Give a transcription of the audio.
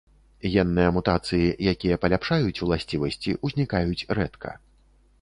Генныя мутацыі, якія паляпшаюць уласцівасці, узнікаюць рэдка.